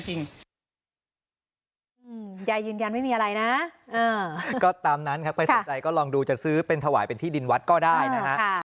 บอกจริงไม่มีเลยไม่ปรากฏว่าฝันเห็นนู่นเห็นนี่ไม่มีไม่มีนะจริง